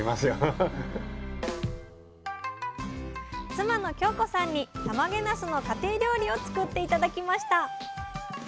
妻の京子さんにたまげなすの家庭料理を作って頂きました。